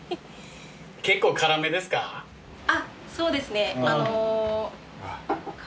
結構辛めですか？